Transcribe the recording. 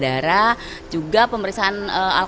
tapi masih banyak ataupun pengambilan karbon data